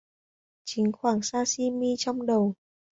Chính khoảng Sashimi trong đầu